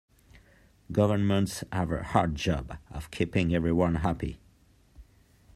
Governments have a hard job of keeping everyone happy.